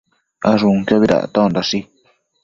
Ashunquiobi dactondashi